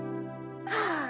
ああ！